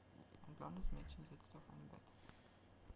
Ein blondes Mädchen sitzt auf einem Bett.